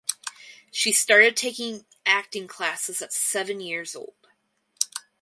She started taking acting classes at seven years old.